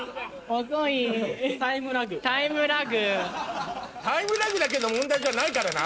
タイムラグだけの問題じゃないからな。